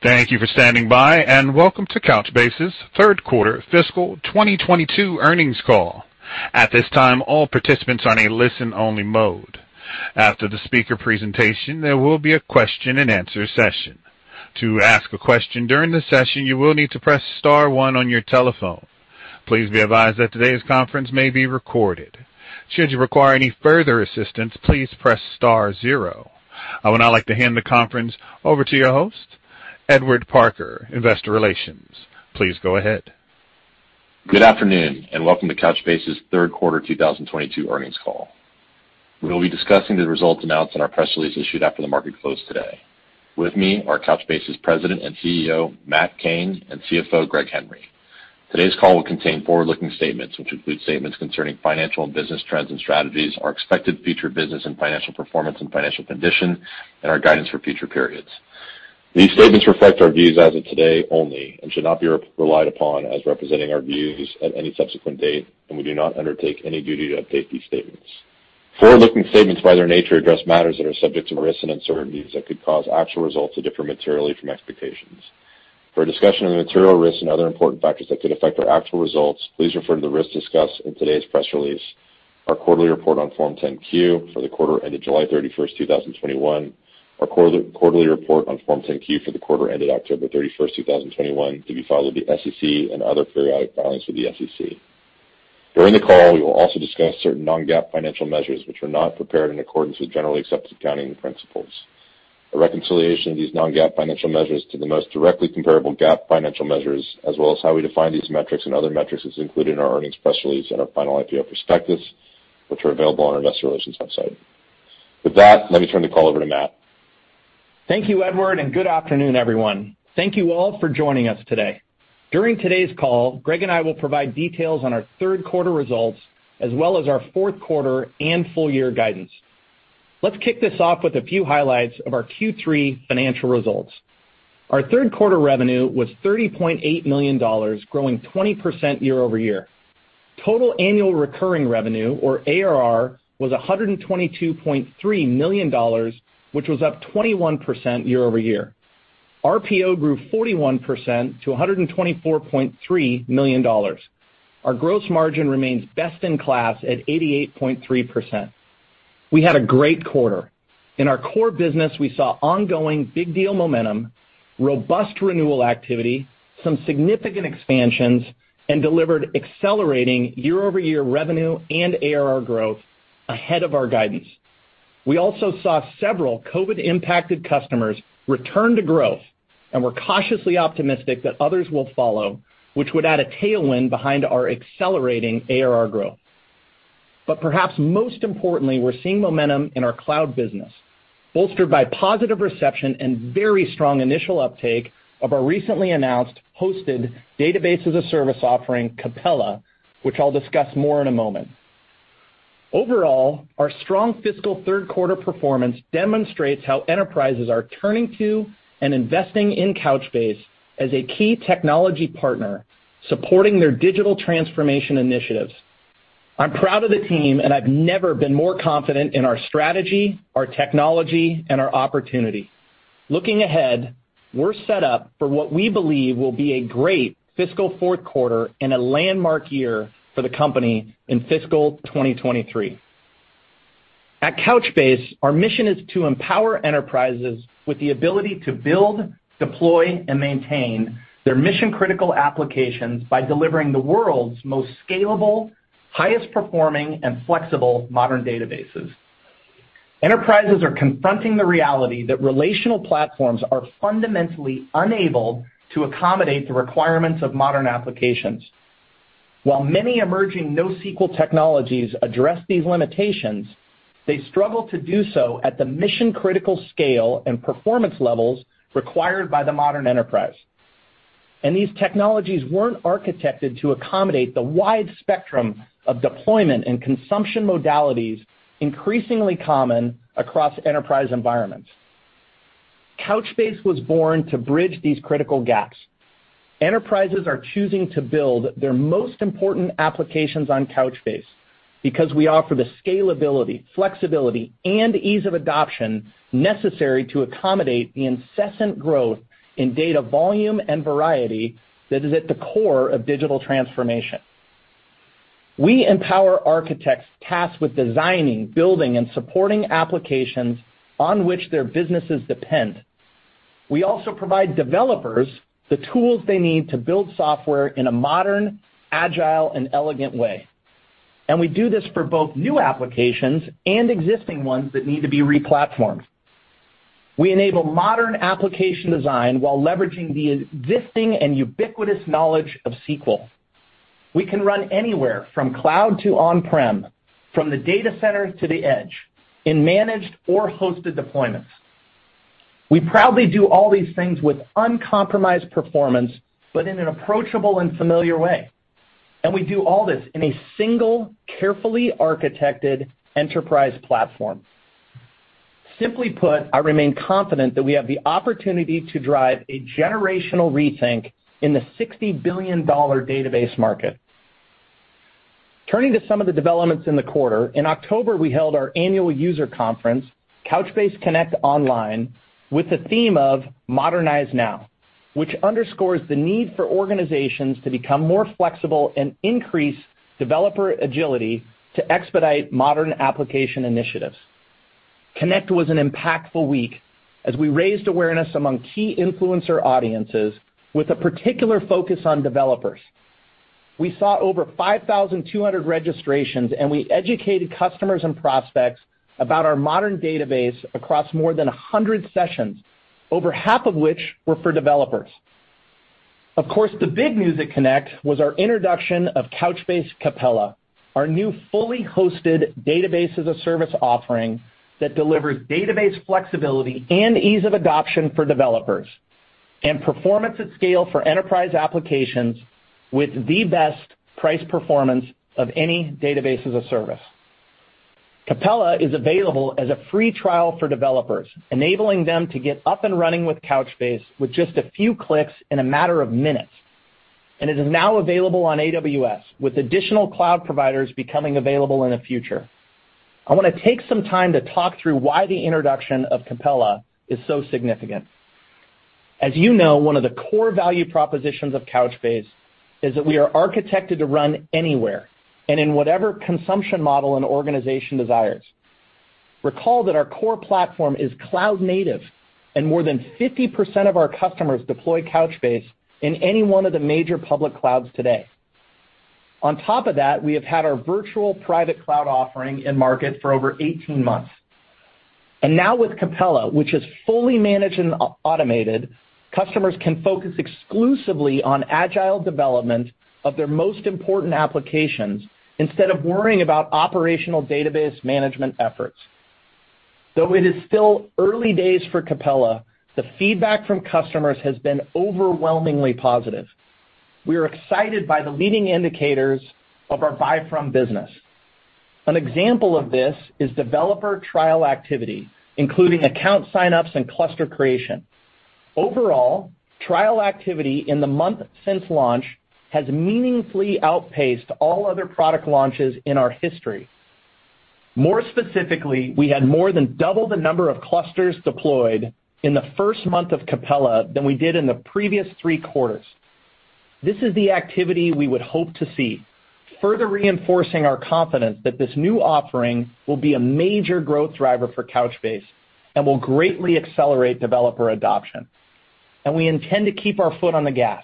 Thank you for standing by, and welcome to Couchbase's Third Quarter Fiscal 2022 Earnings Call. At this time, all participants are in a listen-only mode. After the speaker presentation, there will be a question-and-answer session. To ask a question during the session, you will need to press star one on your telephone. Please be advised that today's conference may be recorded. Should you require any further assistance, please press star zero. I would now like to hand the conference over to your host, Edward Parker, Investor Relations. Please go ahead. Good afternoon, and welcome to Couchbase's Third Quarter 2022 Earnings Call. We will be discussing the results announced in our press release issued after the market closed today. With me are Couchbase's President and CEO, Matt Cain, and CFO, Greg Henry. Today's call will contain forward-looking statements, which include statements concerning financial and business trends and strategies, our expected future business and financial performance and financial condition, and our guidance for future periods. These statements reflect our views as of today only and should not be relied upon as representing our views at any subsequent date, and we do not undertake any duty to update these statements. Forward-looking statements, by their nature, address matters that are subject to risks and uncertainties that could cause actual results to differ materially from expectations. For a discussion of the material risks and other important factors that could affect our actual results, please refer to the risks discussed in today's press release, our quarterly report on Form 10-Q for the quarter ended July 31st, 2021, our quarterly report on Form 10-Q for the quarter ended October 31st, 2021, to be filed with the SEC and other periodic filings with the SEC. During the call, we will also discuss certain non-GAAP financial measures, which were not prepared in accordance with generally accepted accounting principles. A reconciliation of these non-GAAP financial measures to the most directly comparable GAAP financial measures, as well as how we define these metrics and other metrics, is included in our earnings press release and our final IPO prospectus, which are available on our investor relations website. With that, let me turn the call over to Matt. Thank you, Edward, and good afternoon, everyone. Thank you all for joining us today. During today's call, Greg and I will provide details on our third quarter results, as well as our fourth quarter and full year guidance. Let's kick this off with a few highlights of our Q3 financial results. Our third quarter revenue was $30.8 million, growing 20% year-over-year. Total annual recurring revenue or ARR was $122.3 million, which was up 21% year-over-year. RPO grew 41% to $124.3 million. Our gross margin remains best in class at 88.3%. We had a great quarter. In our core business, we saw ongoing big deal momentum, robust renewal activity, some significant expansions, and delivered accelerating year-over-year revenue and ARR growth ahead of our guidance. We also saw several COVID-impacted customers return to growth, and we're cautiously optimistic that others will follow, which would add a tailwind behind our accelerating ARR growth. Perhaps most importantly, we're seeing momentum in our cloud business, bolstered by positive reception and very strong initial uptake of our recently announced hosted Database as a Service offering, Capella, which I'll discuss more in a moment. Overall, our strong fiscal third quarter performance demonstrates how enterprises are turning to and investing in Couchbase as a key technology partner supporting their digital transformation initiatives. I'm proud of the team, and I've never been more confident in our strategy, our technology, and our opportunity. Looking ahead, we're set up for what we believe will be a great fiscal fourth quarter and a landmark year for the company in fiscal 2023. At Couchbase, our mission is to empower enterprises with the ability to build, deploy, and maintain their mission-critical applications by delivering the world's most scalable, highest performing, and flexible modern databases. Enterprises are confronting the reality that relational platforms are fundamentally unable to accommodate the requirements of modern applications. While many emerging NoSQL technologies address these limitations, they struggle to do so at the mission-critical scale and performance levels required by the modern enterprise. These technologies weren't architected to accommodate the wide spectrum of deployment and consumption modalities increasingly common across enterprise environments. Couchbase was born to bridge these critical gaps. Enterprises are choosing to build their most important applications on Couchbase because we offer the scalability, flexibility, and ease of adoption necessary to accommodate the incessant growth in data volume and variety that is at the core of digital transformation. We empower architects tasked with designing, building, and supporting applications on which their businesses depend. We also provide developers the tools they need to build software in a modern, agile, and elegant way. We do this for both new applications and existing ones that need to be re-platformed. We enable modern application design while leveraging the existing and ubiquitous knowledge of SQL. We can run anywhere from cloud to on-prem, from the data center to the edge, in managed or hosted deployments. We proudly do all these things with uncompromised performance, but in an approachable and familiar way. We do all this in a single, carefully architected enterprise platform. Simply put, I remain confident that we have the opportunity to drive a generational rethink in the $60 billion database market. Turning to some of the developments in the quarter. In October, we held our annual user conference, Couchbase Connect Online, with the theme of Modernize Now, which underscores the need for organizations to become more flexible and increase developer agility to expedite modern application initiatives. Connect was an impactful week as we raised awareness among key influencer audiences with a particular focus on developers. We saw over 5,200 registrations, and we educated customers and prospects about our modern database across more than 100 sessions, over half of which were for developers. Of course, the big news at Connect was our introduction of Couchbase Capella, our new fully hosted Database as a Service offering that delivers database flexibility and ease of adoption for developers and performance at scale for enterprise applications with the best price performance of any Database as a Service. Capella is available as a free trial for developers, enabling them to get up and running with Couchbase with just a few clicks in a matter of minutes. It is now available on AWS, with additional cloud providers becoming available in the future. I want to take some time to talk through why the introduction of Capella is so significant. As you know, one of the core value propositions of Couchbase is that we are architected to run anywhere and in whatever consumption model an organization desires. Recall that our core platform is cloud native and more than 50% of our customers deploy Couchbase in any one of the major public clouds today. On top of that, we have had our virtual private cloud offering in market for over 18 months. Now with Capella, which is fully managed and automated, customers can focus exclusively on agile development of their most important applications instead of worrying about operational database management efforts. Though it is still early days for Capella, the feedback from customers has been overwhelmingly positive. We are excited by the leading indicators of our buy from business. An example of this is developer trial activity, including account sign-ups and cluster creation. Overall, trial activity in the month since launch has meaningfully outpaced all other product launches in our history. More specifically, we had more than double the number of clusters deployed in the first month of Capella than we did in the previous three quarters. This is the activity we would hope to see, further reinforcing our confidence that this new offering will be a major growth driver for Couchbase and will greatly accelerate developer adoption, and we intend to keep our foot on the gas.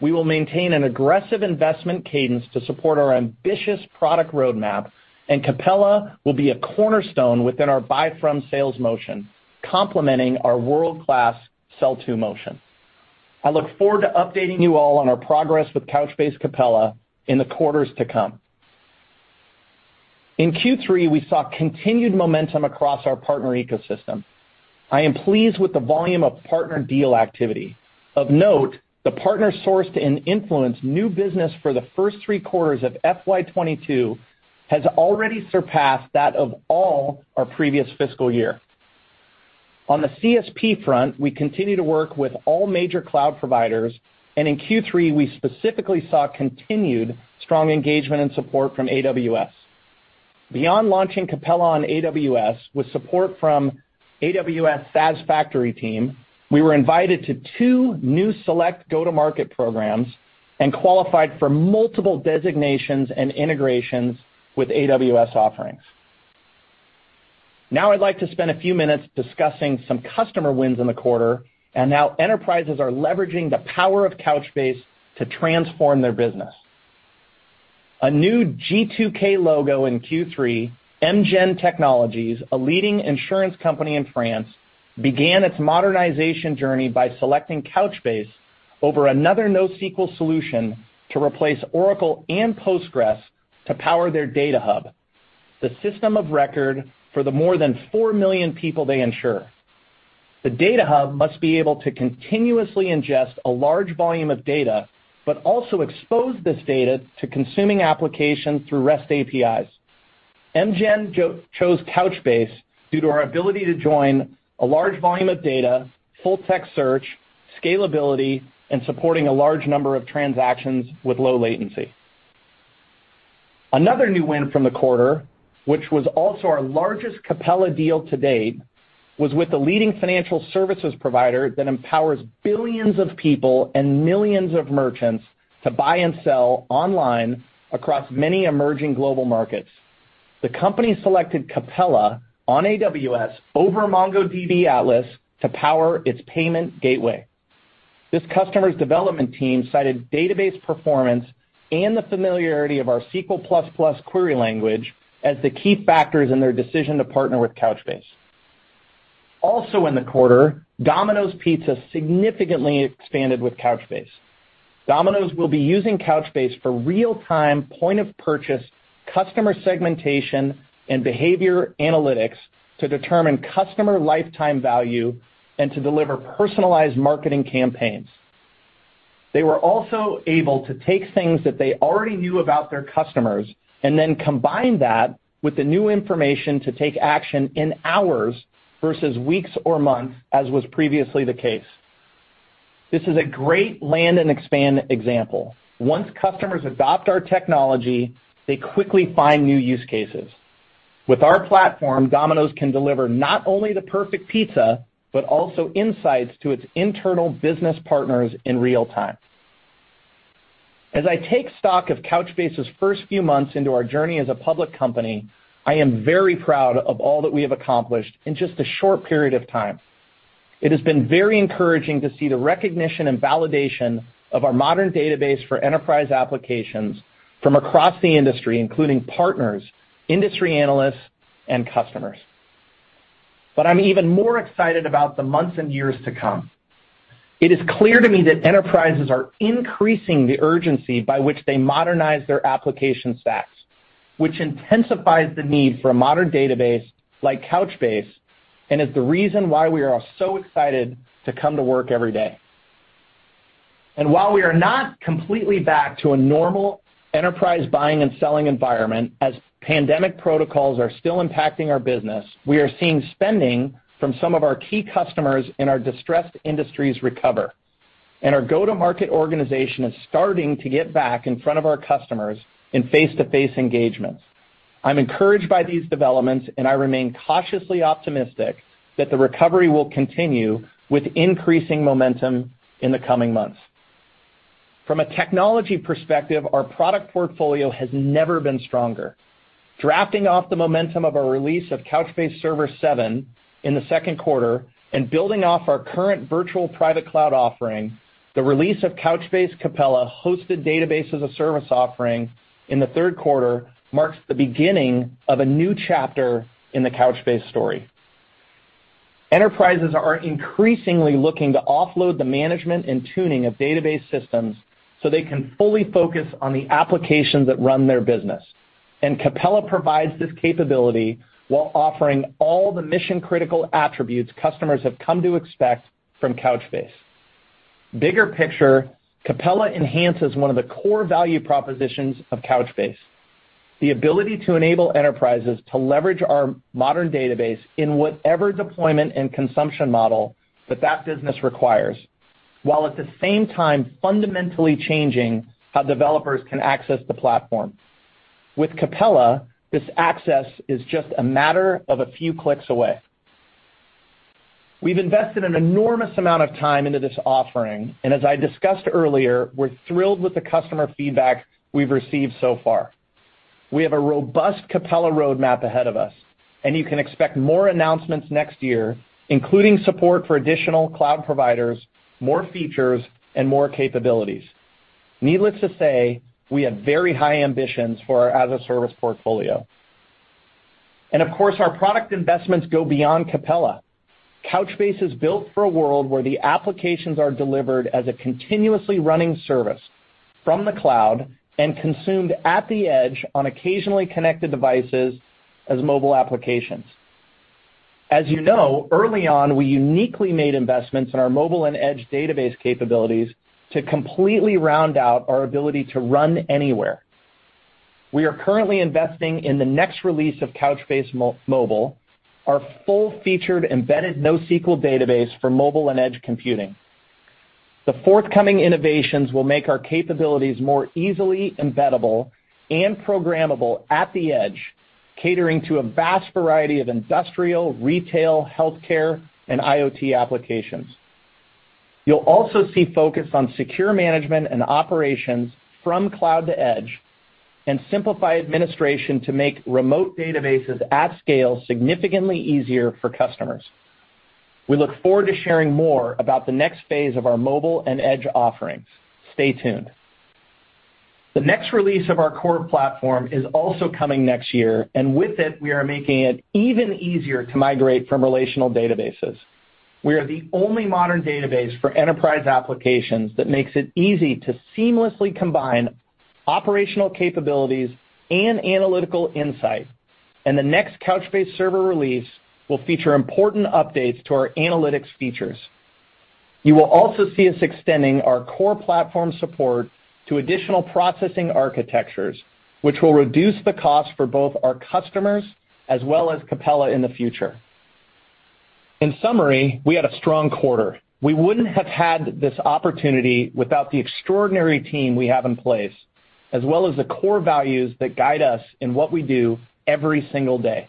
We will maintain an aggressive investment cadence to support our ambitious product roadmap, and Capella will be a cornerstone within our buy from sales motion, complementing our world-class sell to motion. I look forward to updating you all on our progress with Couchbase Capella in the quarters to come. In Q3, we saw continued momentum across our partner ecosystem. I am pleased with the volume of partner deal activity. Of note, the partner sourced and influenced new business for the first three quarters of FY 2022 has already surpassed that of all our previous fiscal year. On the CSP front, we continue to work with all major cloud providers, and in Q3, we specifically saw continued strong engagement and support from AWS. Beyond launching Capella on AWS with support from AWS SaaS Factory team, we were invited to two new select go-to-market programs and qualified for multiple designations and integrations with AWS offerings. Now I'd like to spend a few minutes discussing some customer wins in the quarter and how enterprises are leveraging the power of Couchbase to transform their business. A new G2K logo in Q3, Amgen Technologies, a leading insurance company in France, began its modernization journey by selecting Couchbase over another NoSQL solution to replace Oracle and Postgres to power their data hub, the system of record for the more than 4 million people they insure. The data hub must be able to continuously ingest a large volume of data but also expose this data to consuming applications through REST APIs. MGEN chose Couchbase due to our ability to join a large volume of data, full text search, scalability, and supporting a large number of transactions with low latency. Another new win from the quarter, which was also our largest Capella deal to date, was with the leading financial services provider that empowers billions of people and millions of merchants to buy and sell online across many emerging global markets. The company selected Capella on AWS over MongoDB Atlas to power its payment gateway. This customer's development team cited database performance and the familiarity of our SQL++ query language as the key factors in their decision to partner with Couchbase. Also in the quarter, Domino's Pizza significantly expanded with Couchbase. Domino's will be using Couchbase for real-time, point-of-purchase customer segmentation and behavior analytics to determine customer lifetime value and to deliver personalized marketing campaigns. They were also able to take things that they already knew about their customers and then combine that with the new information to take action in hours versus weeks or months, as was previously the case. This is a great land and expand example. Once customers adopt our technology, they quickly find new use cases. With our platform, Domino's can deliver not only the perfect pizza, but also insights to its internal business partners in real time. As I take stock of Couchbase's first few months into our journey as a public company, I am very proud of all that we have accomplished in just a short period of time. It has been very encouraging to see the recognition and validation of our modern database for enterprise applications from across the industry, including partners, industry analysts, and customers. I'm even more excited about the months and years to come. It is clear to me that enterprises are increasing the urgency by which they modernize their application stacks, which intensifies the need for a modern database like Couchbase, and is the reason why we are all so excited to come to work every day. While we are not completely back to a normal enterprise buying and selling environment, as pandemic protocols are still impacting our business, we are seeing spending from some of our key customers in our distressed industries recover, and our go-to-market organization is starting to get back in front of our customers in face-to-face engagements. I'm encouraged by these developments, and I remain cautiously optimistic that the recovery will continue with increasing momentum in the coming months. From a technology perspective, our product portfolio has never been stronger. Drafting off the momentum of our release of Couchbase Server 7 in the second quarter and building off our current virtual private cloud offering, the release of Couchbase Capella hosted Database as a Service offering in the third quarter marks the beginning of a new chapter in the Couchbase story. Enterprises are increasingly looking to offload the management and tuning of database systems so they can fully focus on the applications that run their business, and Capella provides this capability while offering all the mission-critical attributes customers have come to expect from Couchbase. Bigger picture, Capella enhances one of the core value propositions of Couchbase, the ability to enable enterprises to leverage our modern database in whatever deployment and consumption model that business requires, while at the same time fundamentally changing how developers can access the platform. With Capella, this access is just a matter of a few clicks away. We've invested an enormous amount of time into this offering, and as I discussed earlier, we're thrilled with the customer feedback we've received so far. We have a robust Capella roadmap ahead of us, and you can expect more announcements next year, including support for additional cloud providers, more features, and more capabilities. Needless to say, we have very high ambitions for our as a service portfolio. Of course, our product investments go beyond Capella. Couchbase is built for a world where the applications are delivered as a continuously running service from the cloud and consumed at the edge on occasionally connected devices as mobile applications. As you know, early on, we uniquely made investments in our mobile and edge database capabilities to completely round out our ability to run anywhere. We are currently investing in the next release of Couchbase Mobile, our full-featured embedded NoSQL database for mobile and edge computing. The forthcoming innovations will make our capabilities more easily embeddable and programmable at the edge, catering to a vast variety of industrial, retail, healthcare, and IoT applications. You'll also see focus on secure management and operations from cloud to edge, and simplify administration to make remote databases at scale significantly easier for customers. We look forward to sharing more about the next phase of our mobile and edge offerings. Stay tuned. The next release of our core platform is also coming next year, and with it, we are making it even easier to migrate from relational databases. We are the only modern database for enterprise applications that makes it easy to seamlessly combine operational capabilities and analytical insight, and the next Couchbase Server release will feature important updates to our analytics features. You will also see us extending our core platform support to additional processing architectures, which will reduce the cost for both our customers as well as Capella in the future. In summary, we had a strong quarter. We wouldn't have had this opportunity without the extraordinary team we have in place, as well as the core values that guide us in what we do every single day.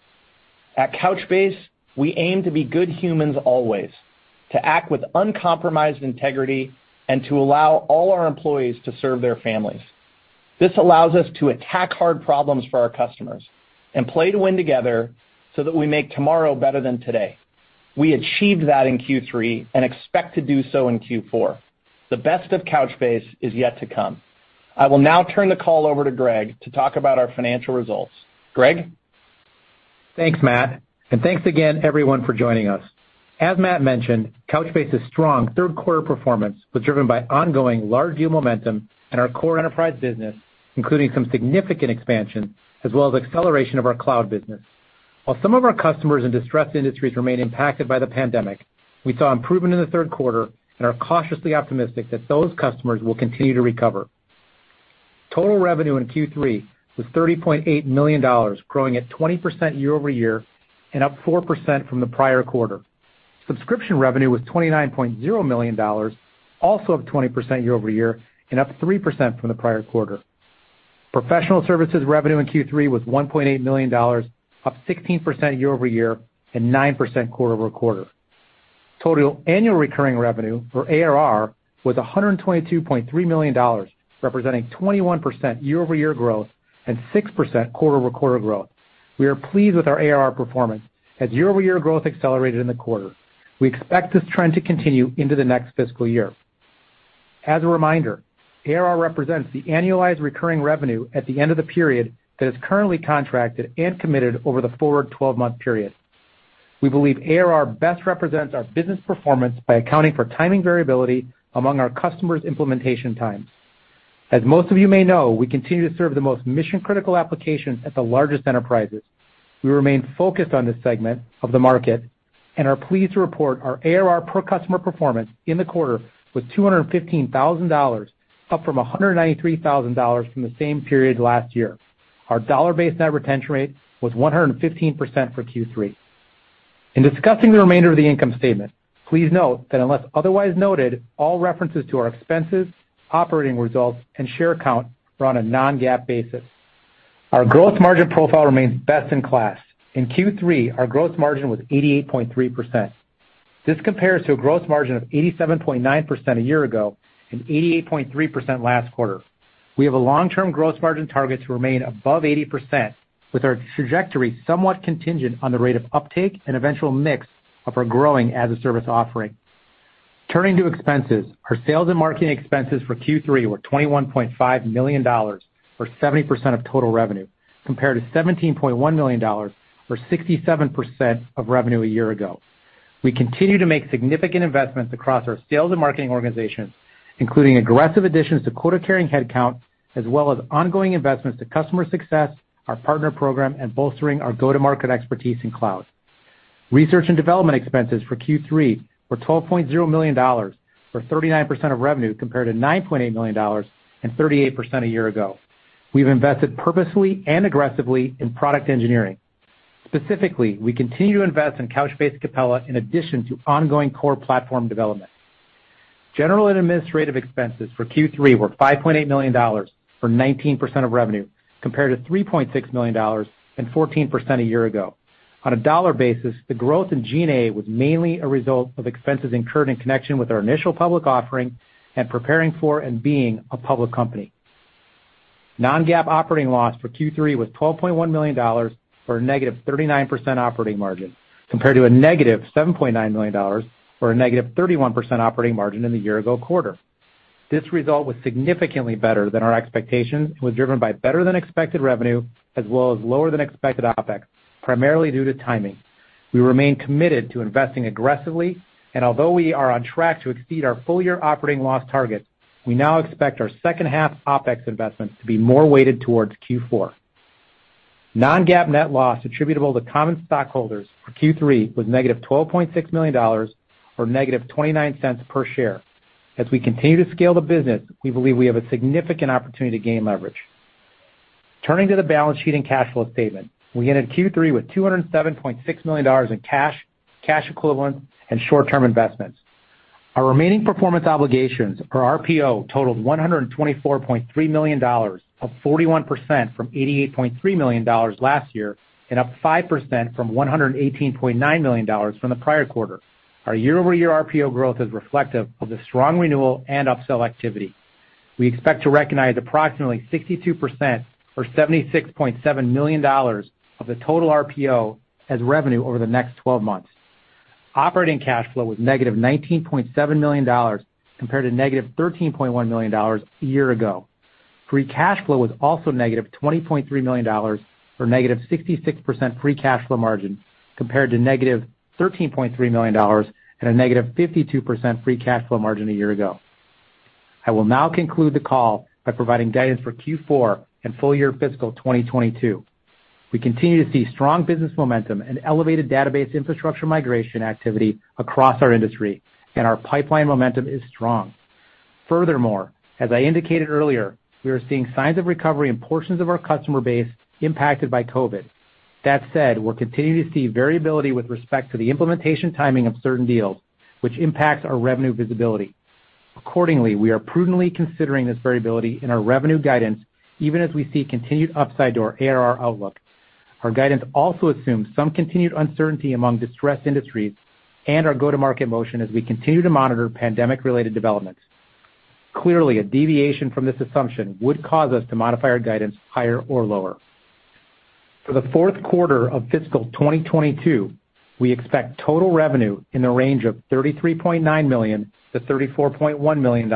At Couchbase, we aim to be good humans always, to act with uncompromised integrity, and to allow all our employees to serve their families. This allows us to attack hard problems for our customers and play to win together so that we make tomorrow better than today. We achieved that in Q3 and expect to do so in Q4. The best of Couchbase is yet to come. I will now turn the call over to Greg to talk about our financial results. Greg? Thanks, Matt. Thanks again everyone for joining us. As Matt mentioned, Couchbase's strong third quarter performance was driven by ongoing large deal momentum in our core enterprise business, including some significant expansion, as well as acceleration of our cloud business. While some of our customers in distressed industries remain impacted by the pandemic, we saw improvement in the third quarter and are cautiously optimistic that those customers will continue to recover. Total revenue in Q3 was $30.8 million, growing 20% year-over-year and up 4% from the prior quarter. Subscription revenue was $29.0 million, also up 20% year-over-year and up 3% from the prior quarter. Professional services revenue in Q3 was $1.8 million, up 16% year-over-year and 9% quarter-over-quarter. Total annual recurring revenue for ARR was $122.3 million, representing 21% year-over-year growth and 6% quarter-over-quarter growth. We are pleased with our ARR performance as year-over-year growth accelerated in the quarter. We expect this trend to continue into the next fiscal year. As a reminder, ARR represents the annualized recurring revenue at the end of the period that is currently contracted and committed over the forward twelve-month period. We believe ARR best represents our business performance by accounting for timing variability among our customers' implementation times. As most of you may know, we continue to serve the most mission-critical applications at the largest enterprises. We remain focused on this segment of the market and are pleased to report our ARR per customer performance in the quarter was $215,000, up from $193,000 from the same period last year. Our dollar-based net retention rate was 115% for Q3. In discussing the remainder of the income statement, please note that unless otherwise noted, all references to our expenses, operating results, and share count are on a non-GAAP basis. Our growth margin profile remains best in class. In Q3, our growth margin was 88.3%. This compares to a growth margin of 87.9% a year ago and 88.3% last quarter. We have a long-term growth margin target to remain above 80%, with our trajectory somewhat contingent on the rate of uptake and eventual mix of our growing as-a-service offering. Turning to expenses, our sales and marketing expenses for Q3 were $21.5 million, or 70% of total revenue, compared to $17.1 million, or 67% of revenue a year ago. We continue to make significant investments across our sales and marketing organizations, including aggressive additions to quota-carrying headcount as well as ongoing investments to customer success, our partner program, and bolstering our go-to-market expertise in cloud. Research and development expenses for Q3 were $12.0 million, or 39% of revenue, compared to $9.8 million and 38% a year ago. We've invested purposely and aggressively in product engineering. Specifically, we continue to invest in Couchbase Capella in addition to ongoing core platform development. General and administrative expenses for Q3 were $5.8 million, or 19% of revenue, compared to $3.6 million and 14% a year ago. On a dollar basis, the growth in G&A was mainly a result of expenses incurred in connection with our initial public offering and preparing for and being a public company. non-GAAP operating loss for Q3 was $12.1 million, or a -39% operating margin, compared to a -$7.9 million, or a -31% operating margin in the year-ago quarter. This result was significantly better than our expectations and was driven by better-than-expected revenue as well as lower-than-expected OpEx, primarily due to timing. We remain committed to investing aggressively, although we are on track to exceed our full-year operating loss target. We now expect our second-half OpEx investments to be more weighted towards Q4. non-GAAP net loss attributable to common stockholders for Q3 was negative $12.6 million, or negative $0.29 per share. As we continue to scale the business, we believe we have a significant opportunity to gain leverage. Turning to the balance sheet and cash flow statement. We ended Q3 with $207.6 million in cash equivalents, and short-term investments. Our remaining performance obligations, or RPO, totaled $124.3 million, up 41% from $88.3 million last year and up 5% from $118.9 million from the prior quarter. Our year-over-year RPO growth is reflective of the strong renewal and upsell activity. We expect to recognize approximately 62%, or $76.7 million of the total RPO as revenue over the next 12 months. Operating cash flow was negative $19.7 million compared to negative $13.1 million a year ago. Free cash flow was also negative $20.3 million, or negative 66% free cash flow margin, compared to negative $13.3 million and a negative 52% free cash flow margin a year ago. I will now conclude the call by providing guidance for Q4 and full year fiscal 2022. We continue to see strong business momentum and elevated database infrastructure migration activity across our industry, and our pipeline momentum is strong. Furthermore, as I indicated earlier, we are seeing signs of recovery in portions of our customer base impacted by COVID. That said, we're continuing to see variability with respect to the implementation timing of certain deals, which impacts our revenue visibility. Accordingly, we are prudently considering this variability in our revenue guidance, even as we see continued upside to our ARR outlook. Our guidance also assumes some continued uncertainty among distressed industries and our go-to-market motion as we continue to monitor pandemic-related developments. Clearly, a deviation from this assumption would cause us to modify our guidance higher or lower. For the fourth quarter of fiscal 2022, we expect total revenue in the range of $33.9 million-$34.1 million.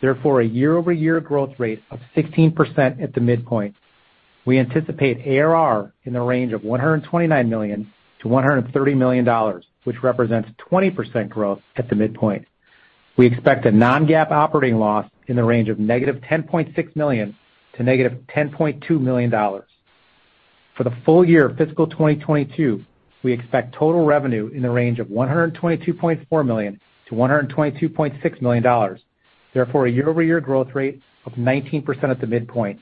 Therefore, a year-over-year growth rate of 16% at the midpoint. We anticipate ARR in the range of $129 million-$130 million, which represents 20% growth at the midpoint. We expect a non-GAAP operating loss in the range of -$10.6 million-$10.2 million. For the full year FY 2022, we expect total revenue in the range of $122.4 million-$122.6 million. Therefore, a year-over-year growth rate of 19% at the midpoint.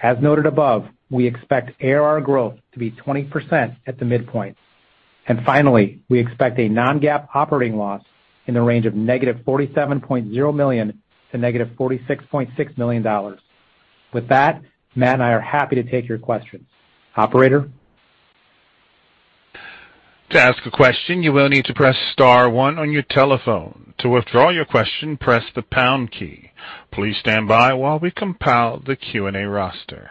As noted above, we expect ARR growth to be 20% at the midpoint. Finally, we expect a non-GAAP operating loss in the range of -$47.0 million-$46.6 million. With that, Matt and I are happy to take your questions. Operator? To ask a question, you will need to press star one on your telephone. To withdraw your question, press the pound key. Please stand by while we compile the Q&A roster.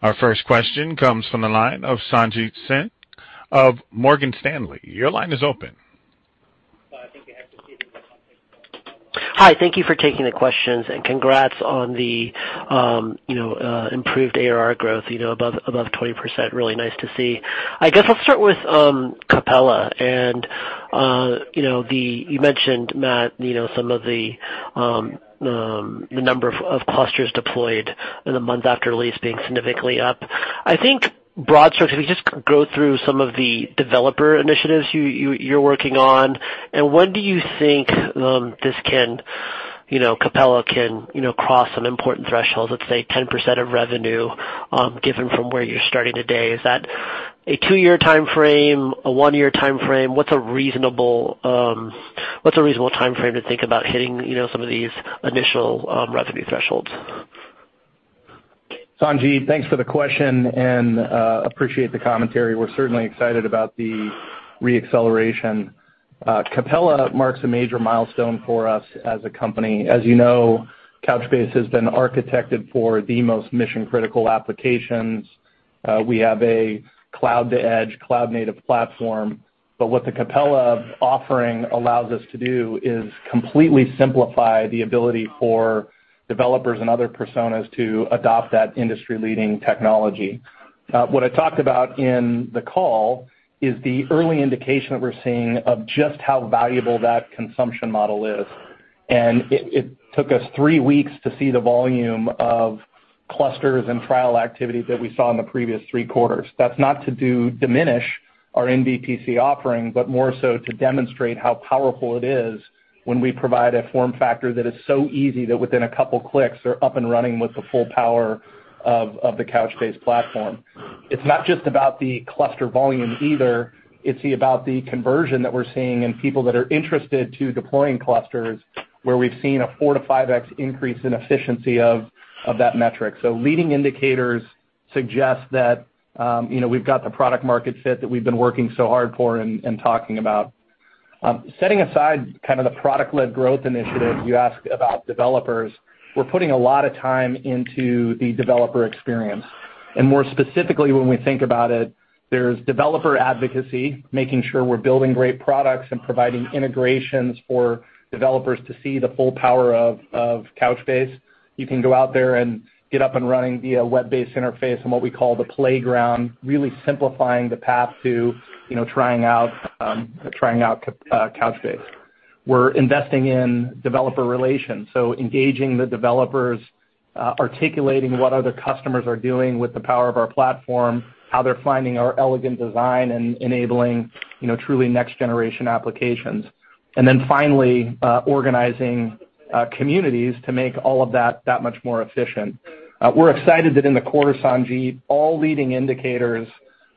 Our first question comes from the line of Sanjit Singh of Morgan Stanley. Your line is open. Hi. Thank you for taking the questions. Congrats on the improved ARR growth above 20%. Really nice to see. I guess I'll start with Capella and you mentioned, Matt, some of the number of clusters deployed in the month after release being significantly up. I think broad stroke, if you just go through some of the developer initiatives you're working on and when do you think this can, Capella can cross some important thresholds, let's say 10% of revenue, given from where you're starting today, is that a two-year timeframe, a one-year timeframe? What's a reasonable timeframe to think about hitting some of these initial revenue thresholds? Sanjit, thanks for the question and appreciate the commentary. We're certainly excited about the re-acceleration. Capella marks a major milestone for us as a company. As you know, Couchbase has been architected for the most mission-critical applications. We have a cloud to edge, cloud native platform, but what the Capella offering allows us to do is completely simplify the ability for developers and other personas to adopt that industry-leading technology. What I talked about in the call is the early indication that we're seeing of just how valuable that consumption model is. It took us three weeks to see the volume of clusters and trial activity that we saw in the previous three quarters. That's not to diminish our VPC offering, but more so to demonstrate how powerful it is when we provide a form factor that is so easy that within a couple clicks they're up and running with the full power of the Couchbase platform. It's not just about the cluster volume either. It's about the conversion that we're seeing in people that are interested to deploying clusters, where we've seen a 4x-5x increase in efficiency of that metric. Leading indicators suggest that, you know, we've got the product market fit that we've been working so hard for and talking about. Setting aside kind of the product-led growth initiative, you asked about developers. We're putting a lot of time into the developer experience, and more specifically when we think about it, there's developer advocacy, making sure we're building great products and providing integrations for developers to see the full power of Couchbase. You can go out there and get up and running via web-based interface and what we call the playground, really simplifying the path to, you know, trying out Couchbase. We're investing in developer relations, so engaging the developers, articulating what other customers are doing with the power of our platform, how they're finding our elegant design and enabling, you know, truly next generation applications. Then finally, organizing communities to make all of that that much more efficient. We're excited that in the quarter, Sanjit, all leading indicators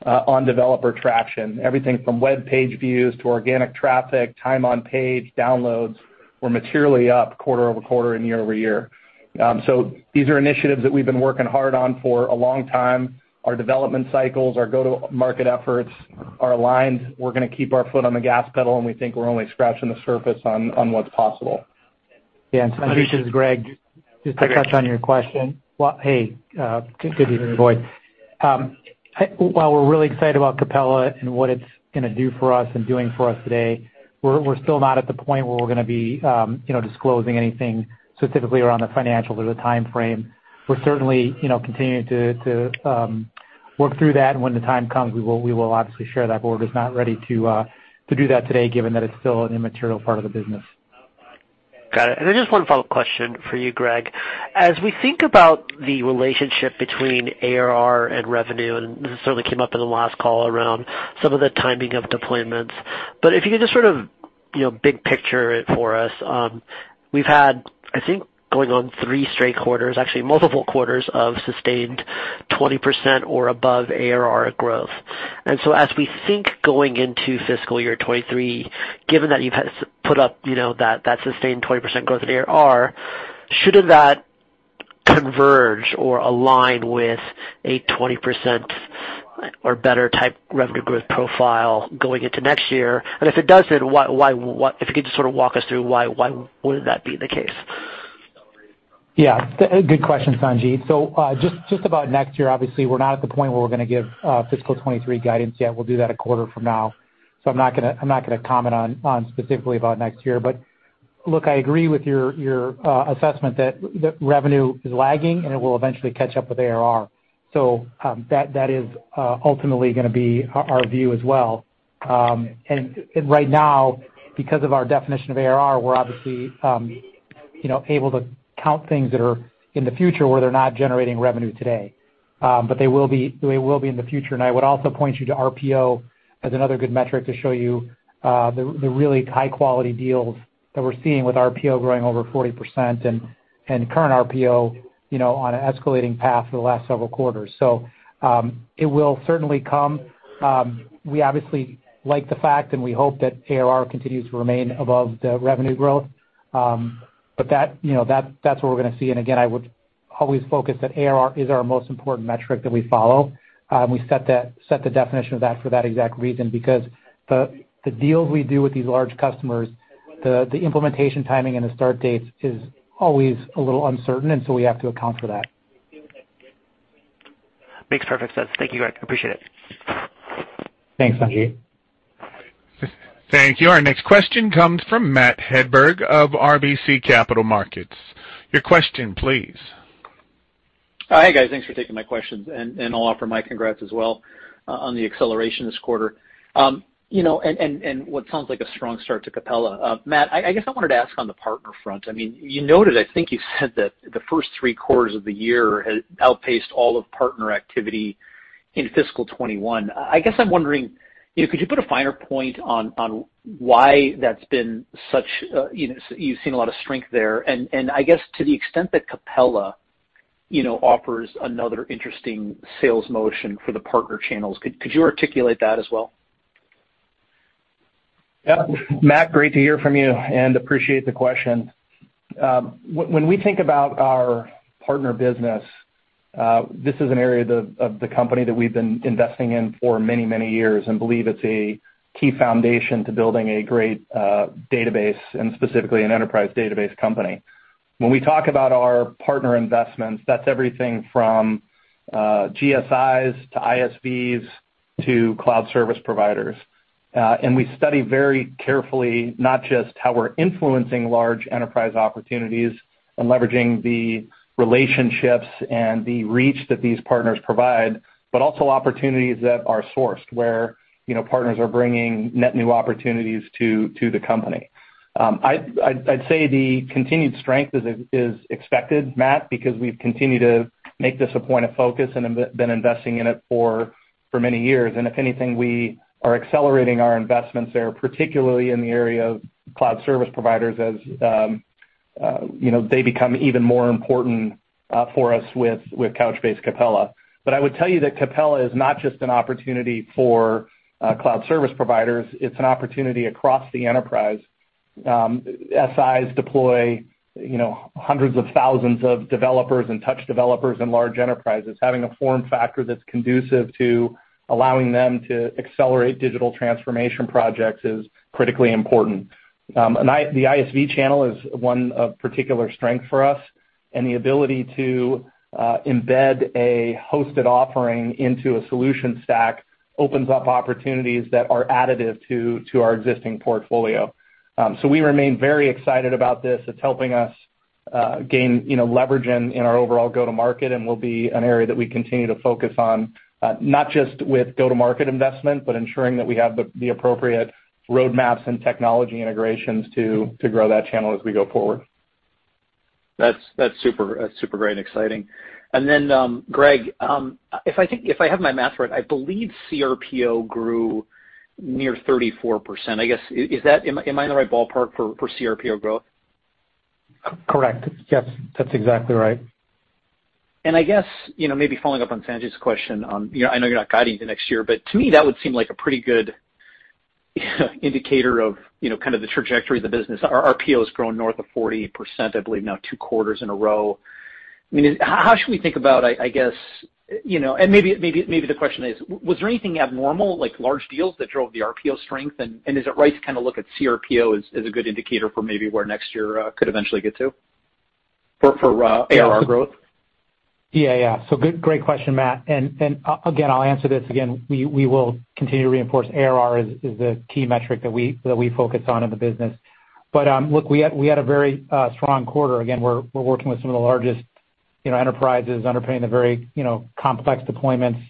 on developer traction, everything from web page views to organic traffic, time on page, downloads, were materially up quarter over quarter and year over year. These are initiatives that we've been working hard on for a long time. Our development cycles, our go-to-market efforts are aligned. We're gonna keep our foot on the gas pedal, and we think we're only scratching the surface on what's possible. Yeah. Sanjit, this is Greg. Just to touch on your question. Well, hey, good evening, everybody. While we're really excited about Capella and what it's gonna do for us and doing for us today, we're still not at the point where we're gonna be, you know, disclosing anything specifically around the financial or the timeframe. We're certainly, you know, continuing to work through that. When the time comes, we will obviously share that, but we're just not ready to do that today, given that it's still an immaterial part of the business. Got it. Just one follow-up question for you, Greg. As we think about the relationship between ARR and revenue, and this certainly came up in the last call around some of the timing of deployments. If you could just sort of, you know, big picture it for us. We've had, I think, going on three straight quarters, actually multiple quarters of sustained 20% or above ARR growth. As we think going into fiscal year 2023, given that you've had that sustained 20% growth in ARR, shouldn't that converge or align with a 20% or better type revenue growth profile going into next year? If it doesn't, why? If you could just sort of walk us through why wouldn't that be the case? Yeah, good question, Sanjit. Just about next year, obviously we're not at the point where we're gonna give fiscal 2023 guidance yet. We'll do that a quarter from now. I'm not gonna comment on specifically about next year. Look, I agree with your assessment that the revenue is lagging, and it will eventually catch up with ARR. That is ultimately gonna be our view as well. Right now, because of our definition of ARR, we're obviously, you know, able to count things that are in the future where they're not generating revenue today. They will be in the future. I would also point you to RPO as another good metric to show you, the really high-quality deals that we're seeing with RPO growing over 40% and current RPO, you know, on an escalating path for the last several quarters. It will certainly come. We obviously like the fact, and we hope that ARR continues to remain above the revenue growth. That, you know, that's what we're gonna see. Again, I would always focus that ARR is our most important metric that we follow. We set the definition of that for that exact reason, because the deals we do with these large customers, the implementation timing and the start dates is always a little uncertain, and so we have to account for that. Makes perfect sense. Thank you, Greg. Appreciate it. Thanks, Sanjit. Thank you. Our next question comes from Matt Hedberg of RBC Capital Markets. Your question please. Hi, guys. Thanks for taking my questions, and I'll offer my congrats as well on the acceleration this quarter. You know, what sounds like a strong start to Capella. Matt, I guess I wanted to ask on the partner front. I mean, you noted, I think you said that the first three quarters of the year had outpaced all of partner activity in fiscal 2021. I guess I'm wondering, you know, could you put a finer point on why that's been such a. You know, you've seen a lot of strength there. I guess to the extent that Capella offers another interesting sales motion for the partner channels, could you articulate that as well? Yeah. Matt, great to hear from you, and appreciate the question. When we think about our partner business, this is an area of the company that we've been investing in for many years and believe it's a key foundation to building a great database and specifically an enterprise database company. When we talk about our partner investments, that's everything from GSIs to ISVs to cloud service providers. We study very carefully not just how we're influencing large enterprise opportunities and leveraging the relationships and the reach that these partners provide, but also opportunities that are sourced where, you know, partners are bringing net new opportunities to the company. I'd say the continued strength is expected, Matt, because we've continued to make this a point of focus and have been investing in it for many years. If anything, we are accelerating our investments there, particularly in the area of cloud service providers as, you know, they become even more important for us with Couchbase Capella. I would tell you that Capella is not just an opportunity for cloud service providers, it's an opportunity across the enterprise. SIs deploy, you know, hundreds of thousands of developers and touch developers and large enterprises. Having a form factor that's conducive to allowing them to accelerate digital transformation projects is critically important. The ISV channel is one of particular strength for us, and the ability to embed a hosted offering into a solution stack opens up opportunities that are additive to our existing portfolio. We remain very excited about this. It's helping us gain, you know, leverage in our overall go-to-market and will be an area that we continue to focus on, not just with go-to-market investment, but ensuring that we have the appropriate roadmaps and technology integrations to grow that channel as we go forward. That's super great and exciting. Greg, if I have my math right, I believe CRPO grew near 34%. Am I in the right ballpark for CRPO growth? Correct. Yes, that's exactly right. I guess, you know, maybe following up on Sanjit's question on, you know, I know you're not guiding to next year, but to me, that would seem like a pretty good indicator of, you know, kind of the trajectory of the business. Our RPO has grown north of 40%, I believe now two quarters in a row. I mean, how should we think about, I guess, you know. Maybe the question is: Was there anything abnormal, like large deals, that drove the RPO strength? Is it right to kinda look at CRPO as a good indicator for maybe where next year could eventually get to for ARR growth? Yeah, yeah. Great question, Matt. Again, I'll answer this again, we will continue to reinforce ARR as a key metric that we focus on in the business. But look, we had a very strong quarter. Again, we're working with some of the largest, you know, enterprises underpinning the very, you know, complex deployments,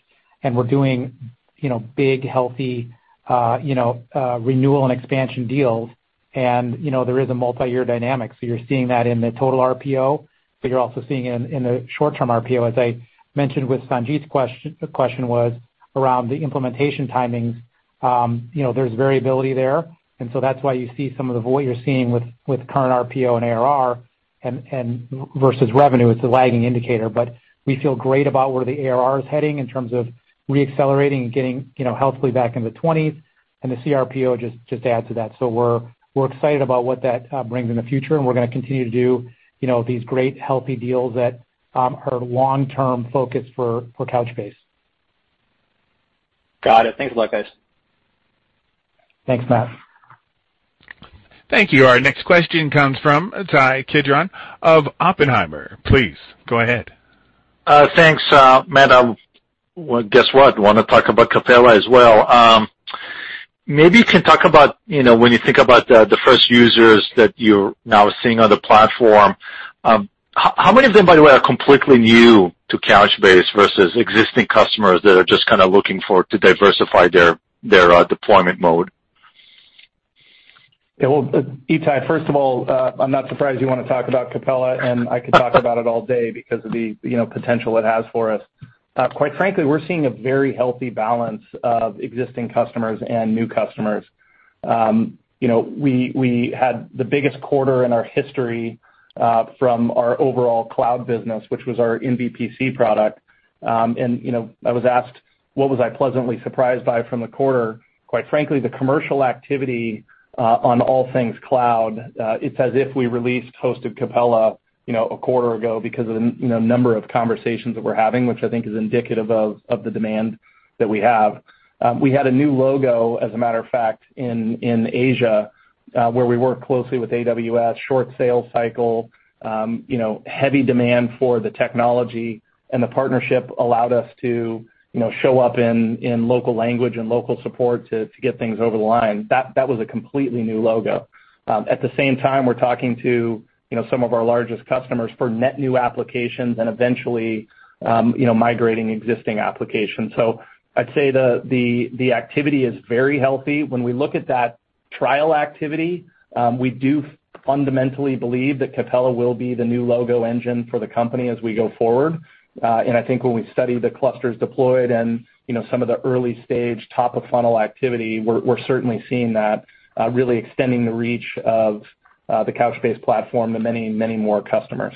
and we're doing, you know, big, healthy renewal and expansion deals. You know, there is a multiyear dynamic. You're seeing that in the total RPO, but you're also seeing it in the short-term RPO. As I mentioned, Sanjit's question was around the implementation timings. You know, there's variability there, and that's why you see what you're seeing with current RPO and ARR and versus revenue, it's a lagging indicator. We feel great about where the ARR is heading in terms of re-accelerating and getting, you know, healthily back in the 20s and the CRPO just add to that. We're excited about what that brings in the future, and we're gonna continue to do, you know, these great, healthy deals that are long-term focus for Couchbase. Got it. Thanks a lot, guys. Thanks, Matt. Thank you. Our next question comes from Ittai Kidron of Oppenheimer. Please go ahead. Thanks, Matt. Well, guess what? Wanna talk about Capella as well. Maybe you can talk about, you know, when you think about the first users that you're now seeing on the platform. How many of them, by the way, are completely new to Couchbase versus existing customers that are just kinda looking to diversify their deployment mode? Yeah, well, Ittai, first of all, I'm not surprised you wanna talk about Capella, and I could talk about it all day because of the, you know, potential it has for us. Quite frankly, we're seeing a very healthy balance of existing customers and new customers. You know, we had the biggest quarter in our history from our overall cloud business, which was our VPC product. You know, I was asked, what was I pleasantly surprised by from the quarter? Quite frankly, the commercial activity on all things cloud, it's as if we released hosted Capella, you know, a quarter ago because of the, you know, number of conversations that we're having, which I think is indicative of the demand that we have. We had a new logo, as a matter of fact, in Asia, where we work closely with AWS, short sales cycle, you know, heavy demand for the technology and the partnership allowed us to, you know, show up in local language and local support to get things over the line. That was a completely new logo. At the same time, we're talking to, you know, some of our largest customers for net new applications and eventually, you know, migrating existing applications. I'd say the activity is very healthy. When we look at that trial activity, we do fundamentally believe that Capella will be the new logo engine for the company as we go forward. I think when we study the clusters deployed and, you know, some of the early-stage top-of-funnel activity, we're certainly seeing that really extending the reach of the Couchbase platform to many, many more customers.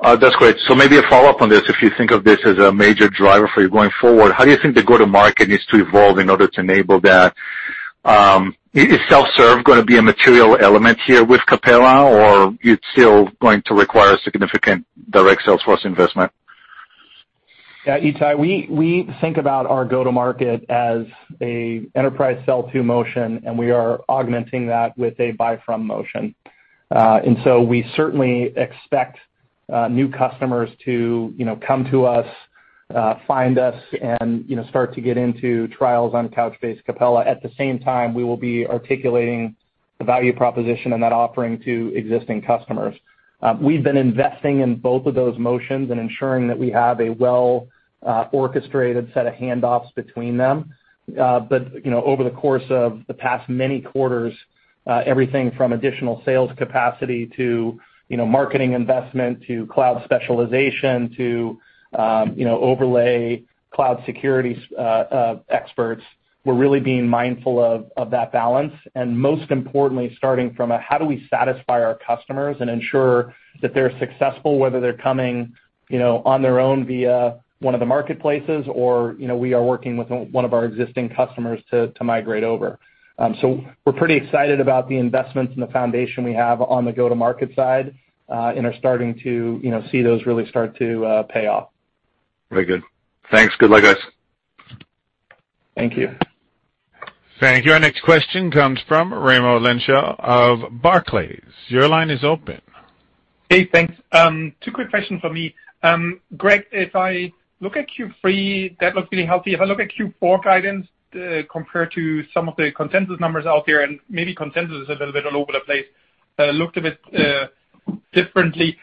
That's great. Maybe a follow-up on this, if you think of this as a major driver for you going forward, how do you think the go-to-market needs to evolve in order to enable that? Is self-serve gonna be a material element here with Capella, or you're still going to require a significant direct sales force investment? Yeah, Ittai, we think about our go-to-market as an enterprise sell-to motion, and we are augmenting that with a buy-from motion. We certainly expect new customers to, you know, come to us, find us and, you know, start to get into trials on Couchbase Capella. At the same time, we will be articulating the value proposition and that offering to existing customers. We've been investing in both of those motions and ensuring that we have a well orchestrated set of handoffs between them. You know, over the course of the past many quarters, everything from additional sales capacity to, you know, marketing investment, to cloud specialization, to, you know, overlay cloud security experts, we're really being mindful of that balance, and most importantly, starting from how do we satisfy our customers and ensure that they're successful, whether they're coming, you know, on their own via one of the marketplaces or, you know, we are working with one of our existing customers to migrate over. We're pretty excited about the investments and the foundation we have on the go-to-market side, and are starting to, you know, see those really start to pay off. Very good. Thanks. Good luck, guys. Thank you. Thank you. Our next question comes from Raimo Lenschow of Barclays. Your line is open. Hey, thanks. Two quick questions for me. Greg, if I look at Q3, that looked really healthy. If I look at Q4 guidance, compared to some of the consensus numbers out there, and maybe consensus is a little bit all over the place, looked a bit differently.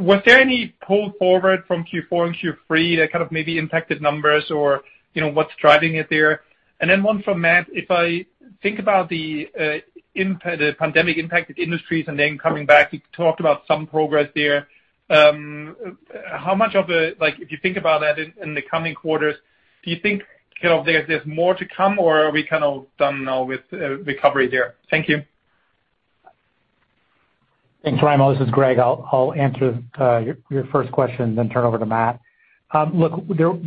Was there any pull forward from Q4 and Q3 that kind of maybe impacted numbers or, you know, what's driving it there? One from Matt. If I think about the pandemic impacted industries and then coming back, you talked about some progress there. Like, if you think about that in the coming quarters, do you think kind of there's more to come or are we kind of done now with recovery there? Thank you. Thanks, Raimo. This is Greg. I'll answer your first question, then turn over to Matt. Look,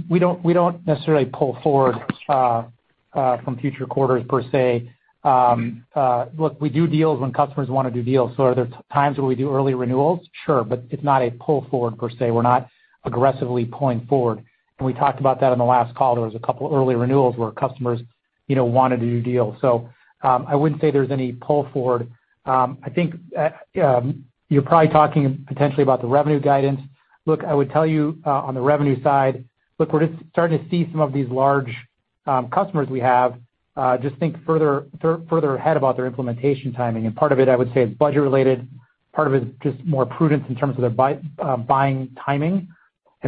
we don't necessarily pull forward from future quarters, per se. Look, we do deals when customers wanna do deals. So are there times where we do early renewals? Sure. It's not a pull forward per se. We're not aggressively pulling forward. We talked about that on the last call. There was a couple early renewals where customers, you know, wanted to do deals. So I wouldn't say there's any pull forward. I think you're probably talking potentially about the revenue guidance. Look, I would tell you on the revenue side, look, we're just starting to see some of these large customers we have just think further ahead about their implementation timing. Part of it, I would say, is budget related, part of it is just more prudence in terms of their buying timing.